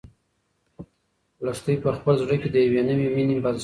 لښتې په خپل زړه کې د یوې نوې مېنې بنسټ کېښود.